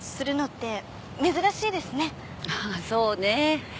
ああそうね。